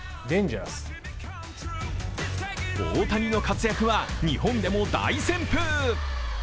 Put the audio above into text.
大谷の活躍は日本でも大旋風。